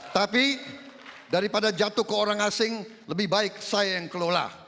tapi daripada jatuh ke orang asing lebih baik saya yang kelola